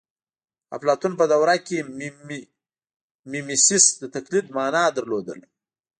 اپلاتون په دوره کې میمیسیس د تقلید مانا لرله